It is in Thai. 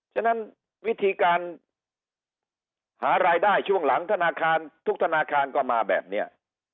ฉะนั้นวิธีการหารายได้ช่วงหลังธนาคารทุกธนาคารก็มาแบบนี้